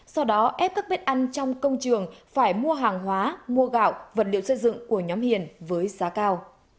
sau đó ép các bếp ăn trong công trường phải mua hàng hóa mua gạo vật liệu xây dựng của nhóm hiền với giá cao